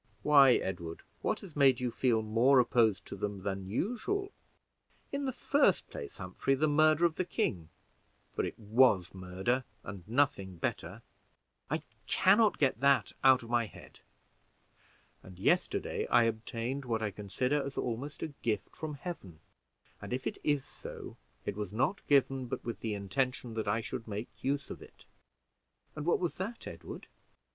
"Why, Edward, what has made you feel more opposed to them than usual?" "In the first place, Humphrey, the murder of the king for it was murder and nothing better I can not get that out of my head; and yesterday I obtained what I consider as almost a gift from Heaven, and if it is so it was not given but with the intention that I should make use of it." "And what was that, Edward?"